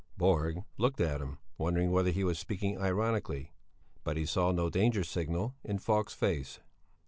Borg looked at him, wondering whether he was speaking ironically, but he saw no danger signal in Falk's face.